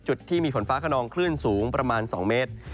จุดที่มีฝนฟ้าขนองคลื่นสูงประมาณ๒เมตร